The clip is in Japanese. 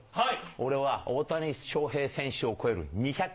俺は大谷翔平選手を超える２００